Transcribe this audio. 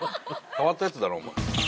変わったやつだなお前。